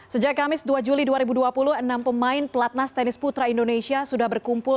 sejak kamis dua juli dua ribu dua puluh enam pemain pelatnas tenis putra indonesia sudah berkumpul